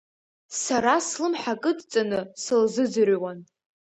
Сара слымҳа кыдҵаны сылзыӡырҩуан.